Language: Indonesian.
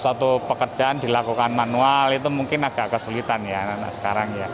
suatu pekerjaan dilakukan manual itu mungkin agak kesulitan ya anak anak sekarang ya